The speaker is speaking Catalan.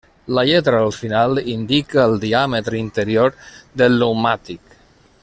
La lletra al final indica el diàmetre interior del pneumàtic.